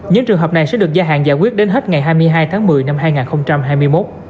những trường hợp này sẽ được gia hạn giải quyết đến hết ngày hai mươi hai tháng một mươi năm hai nghìn hai mươi một